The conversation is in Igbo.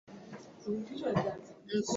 o mebìghị ya emebì